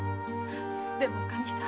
でもおかみさん。